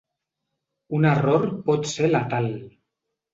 Un error pot ser letal.